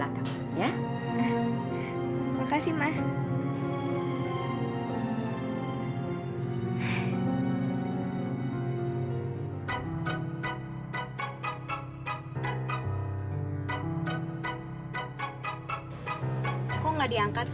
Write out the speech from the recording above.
nah ada yang mau bicara